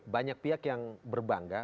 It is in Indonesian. banyak pihak yang berbangga